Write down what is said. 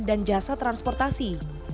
dan jasa transportasi